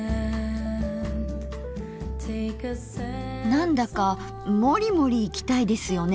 何だかもりもりいきたいですよね